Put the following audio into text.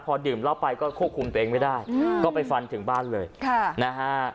พอดื่มเหล้าไปก็ควบคุมตัวเองไม่ได้ก็ไปฟันถึงบ้านเลยค่ะนะฮะ